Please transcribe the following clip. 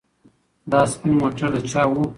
دا سپین موټر د چا و؟